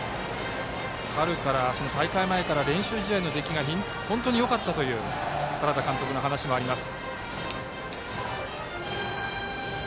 大会前から練習試合での出来が本当によかったという原田監督の話もあります。